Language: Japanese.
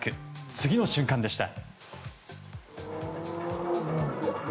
次の瞬間でした。